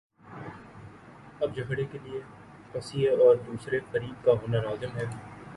اب جھگڑے کے لیے قضیے اور دوسرے فریق کا ہونا لازم ہے۔